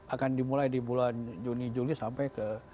akan dimulai di bulan juni juli sampai ke